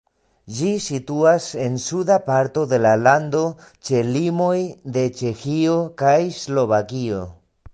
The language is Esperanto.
Ĝi situas en suda parto de la lando ĉe limoj de Ĉeĥio kaj Slovakio.